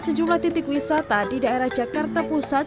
sejumlah titik wisata di daerah jakarta pusat